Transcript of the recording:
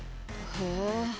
へえ。